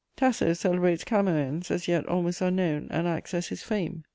Tasso celebrates Camoëns, as yet almost unknown, and acts as his "Fame."